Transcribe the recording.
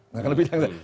nggak akan lebih jangka